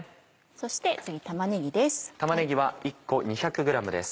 そして次玉ねぎです。